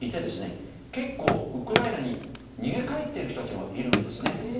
結構ウクライナに逃げ帰ってる人たちもいるんですね。